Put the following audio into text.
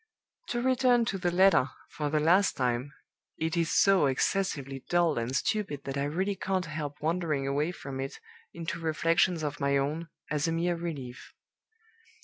"To return to the letter, for the last time it is so excessively dull and stupid that I really can't help wandering away from it into reflections of my own, as a mere relief.